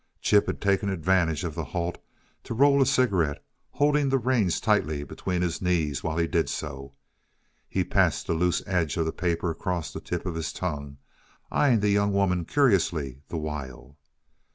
Chip had taken advantage of the halt to roll a cigarette, holding the reins tightly between his knees while he did so. He passed the loose edge of the paper across the tip of his tongue, eying the young woman curiously the while.